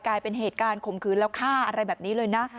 กลายเป็นเหตุการณ์ข่มขืนแล้วฆ่าอะไรแบบนี้เลยนะ